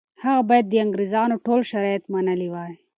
هغه باید د انګریزانو ټول شرایط منلي وای.